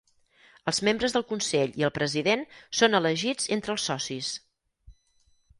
Els membres del Consell i el President són elegits entre els Socis.